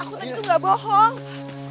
aku tadi tuh gak bohong